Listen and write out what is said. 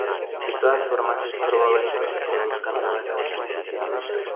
De todas formas es probable que se produzcan nuevas adquisiciones.